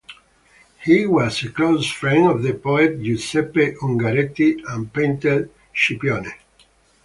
He was a close friend of the poet Giuseppe Ungaretti and painter Scipione.